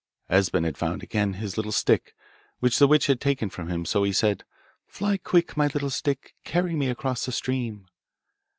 Esben had found again his little stick, which the witch had taken from him, so he said, Fly quick, my little stick, Carry me across the stream.